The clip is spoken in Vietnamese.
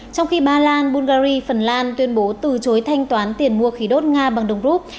trong khi ba lan bungary phần lan tuyên bố từ chối thanh toán tiền mua khí đốt nga bằng đồng rút